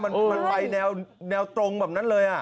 มันไปแนวตรงแบบนั้นเลย